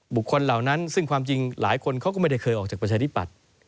เหล่านั้นซึ่งความจริงหลายคนเขาก็ไม่ได้เคยออกจากประชาธิปัตย์